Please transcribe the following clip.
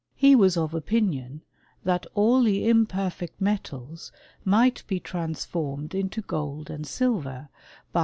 He was of opinion that all the imperfect^^ metals might be transformed into gold and silver, by{